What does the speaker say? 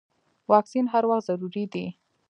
واکسین هر وخت ضروري دی.